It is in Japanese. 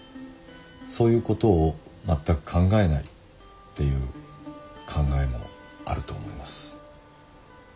そういうことを全く考えないっていう考えもあると思います。